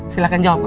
silahkan jawab kawan